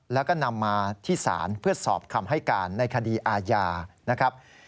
แล้วก็นำมาที่ศาลเพื่อสอบคำให้การในคดีอาญานะครับ